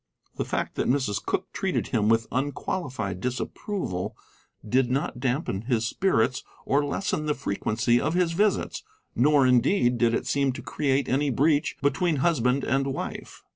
The fact that Mrs. Cooke treated him with unqualified disapproval did not dampen his spirits or lessen the frequency of his visits, nor, indeed, did it seem to create any breach between husband and wife.